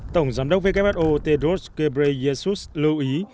tổng giám đốc who tedros ghebreyesus lưu ý